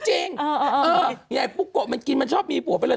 พี่ไอ้ปุ๊กโกะมันกินมันชอบมีปวดไปเลย